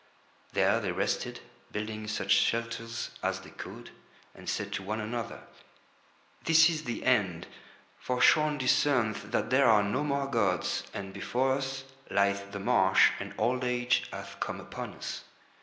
There they rested, building such shelters as they could, and said to one another: "This is the End, for Shaun discerneth that there are no more gods, and before us lieth the marsh and old age hath come upon us."